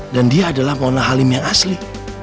dan dia adalah mona halim yang asli